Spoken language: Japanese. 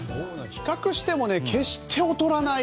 比較しても決して劣らない。